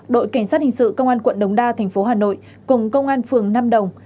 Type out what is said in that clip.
đội cảnh sát hình sự công an quận đống đa tp hà nội cùng công an phường nam đồng